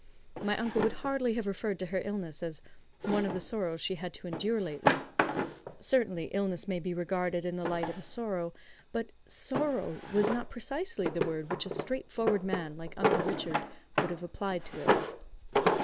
My uncle would hardly have referred to her illness as "one of the sorrows she had to endure lately." Certainly, illness may be regarded in the light of a sorrow; but "sorrow" was not precisely the word which a straight forward man like Uncle Richard would have applied to it.